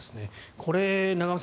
これ、永濱さん